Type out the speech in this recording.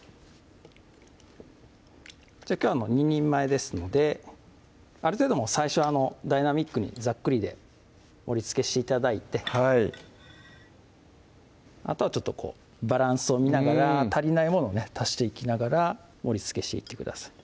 きょう２人前ですのである程度最初ダイナミックにざっくりで盛りつけして頂いてあとはちょっとバランスを見ながら足りないものを足していきながら盛りつけしていってください